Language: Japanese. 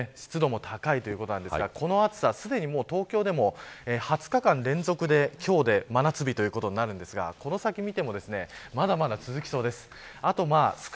照り返しと湿度も高いということなんですがこの暑さはすでに東京でも２０日間連続で今日で真夏日ということになるんですがこの先を見てもまだまだ続きそうです。